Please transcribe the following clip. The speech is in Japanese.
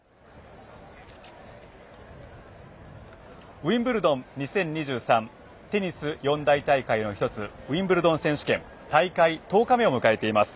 ウィンブルドン２０２３テニス四大大会の１つウィンブルドン選手権大会１０日目を迎えています。